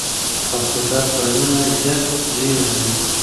کمپيوټر فايلونه ژر لېږي.